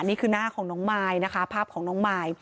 นี่คือหน้าของน้องมายนะคะภาพของน้องมาย